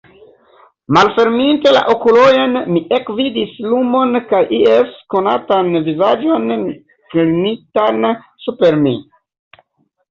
Malferminte la okulojn, mi ekvidis lumon kaj ies konatan vizaĝon klinitan super mi.